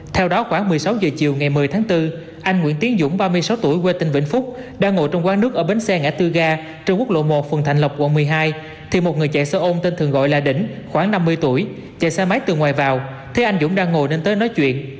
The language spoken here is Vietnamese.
theo đó khoảng một mươi sáu h chiều ngày một mươi tháng bốn anh nguyễn tiến dũng ba mươi sáu tuổi quê tỉnh vĩnh phúc đang ngồi trong quán nước ở bến xe ngã tư ga trên quốc lộ một phường thạnh lộc quận một mươi hai thì một người chạy xe ôm tên thường gọi là đỉnh khoảng năm mươi tuổi chạy xe máy từ ngoài vào thế anh dũng đang ngồi lên tới nói chuyện